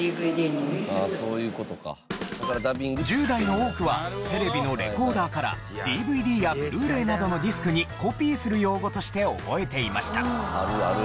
１０代の多くはテレビのレコーダーからＤＶＤやＢｌｕ−ｒａｙなどのディスクにコピーする用語として覚えていました。